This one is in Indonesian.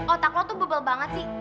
otak lo tuh bubble banget sih